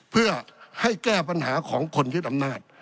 เพื่อให้แก้ปัญหาของคนยึดอำนาจ